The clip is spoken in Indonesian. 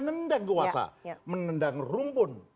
nendang kuasa menendang rumpun